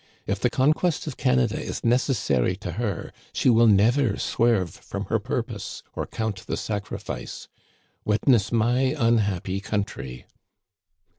If the conquest of Canada is necessary to her she will never swerve from her purpose or count the sacrifice. Witness my unhappy country."